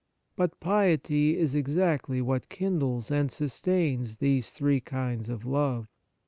But piety is exactly what kindles and sustains these three kinds of love.